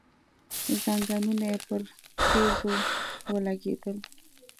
ځنګنونه يې پر تيږو ولګېدل.